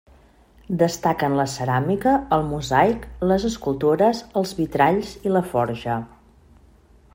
Destaquen la ceràmica, el mosaic, les escultures, els vitralls i la forja.